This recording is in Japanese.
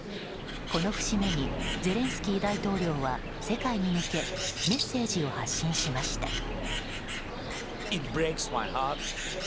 この節目にゼレンスキー大統領は世界に向けメッセージを発信しました。